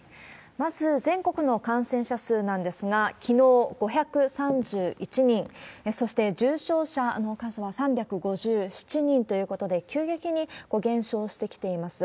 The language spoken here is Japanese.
まず、全国の感染者数なんですが、きのう５３１人、そして重症者の数は３５７人ということで、急激に減少してきています。